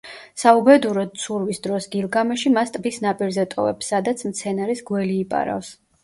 საუბედუროდ, ცურვის დროს, გილგამეში მას ტბის ნაპირზე ტოვებს, სადაც მცენარეს გველი იპარავს.